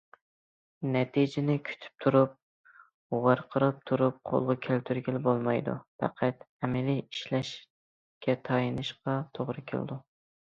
نەتىجىنى كۈتۈپ تۇرۇپ، ۋارقىراپ تۇرۇپ قولغا كەلتۈرگىلى بولمايدۇ، پەقەت ئەمەلىي ئىشلەشكە تايىنىشقا توغرا كېلىدۇ.